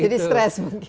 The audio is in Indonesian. jadi stress mungkin